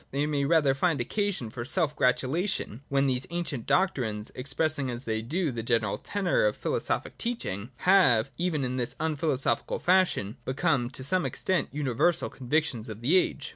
They may rather find occasion for self gratulation when these ancient doctrines, expressing as they do the general tenor of philosophic teaching, have, even in this unphilosophical fashion, become to some extent uni versal convictions of the age.